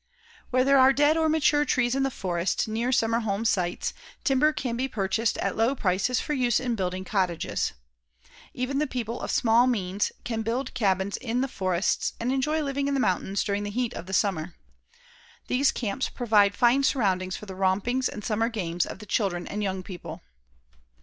Where there are dead or mature trees in the forest, near summer home sites, timber can be purchased at low prices for use in building cottages. Even the people of small means can build cabins in the forests and enjoy living in the mountains during the heat of the summer. These camps provide fine surroundings for the rompings and summer games of the children and young people.